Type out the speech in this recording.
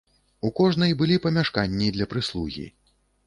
У кожнай былі памяшканні для прыслугі.